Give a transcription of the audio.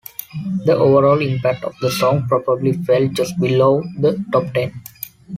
The overall impact of the song probably fell just below the top ten.